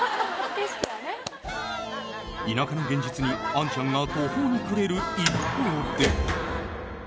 田舎の現実にアンちゃんが途方に暮れる一方で。